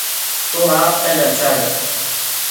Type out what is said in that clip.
توہ آپ پہلاں چڑھ